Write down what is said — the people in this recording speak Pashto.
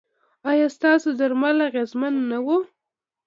ایا ستاسو درمل اغیزمن نه وو؟